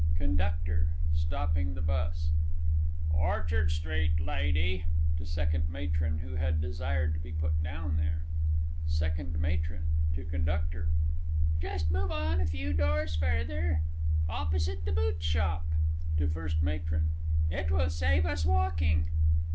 CONDUCTOR (stopping the bus). Orchard Street, Lady! [To SECOND MATRON, who had desired to be put down there. SECOND MATRON (to CONDUCTOR). Just move on a few doors further, opposite the boot shop. (To FIRST MATRON.) It will save us walking.